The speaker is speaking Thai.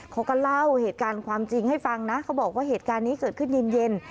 เขาก็เล่าเหตุการณ์ความจริงให้ฟังนะเขาบอกว่าเหตุการณ์นี้เกิดขึ้นเย็น